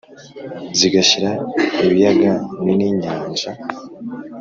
zigashyira ibiyaga ni nyanja.